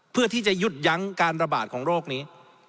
เพื่อที่จะยุดยั้งการระบาดของโรคนี้